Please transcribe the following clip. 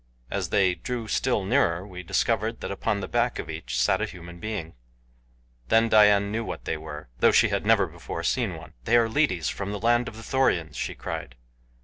As they drew still nearer we discovered that upon the back of each sat a human being. Then Dian knew what they were, though she never before had seen one. "They are lidis from the land of the Thorians," she cried.